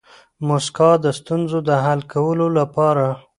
موسکا د ستونزو د حل کولو لپاره